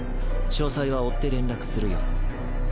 詳細は追って連絡するよ。